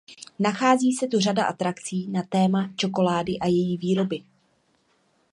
Nachází se tu řada atrakcí na téma čokolády a její výroby.